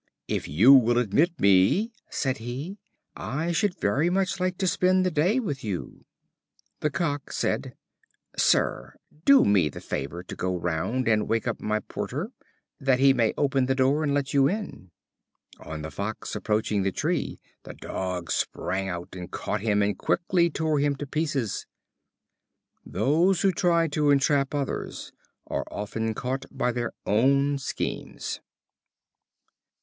"If you will admit me," said he, "I should very much like to spend the day with you." The Cock said: "Sir, do me the favor to go round and wake up my porter, that he may open the door, and let you in." On the Fox approaching the tree, the Dog sprang out and caught him and quickly tore him in pieces. Those who try to entrap others are often caught by their own schemes.